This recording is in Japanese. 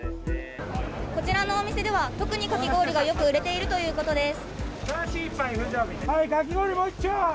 こちらのお店では特にかき氷が売れているということです。